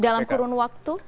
dalam kurun waktu